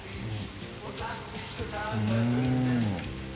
うん！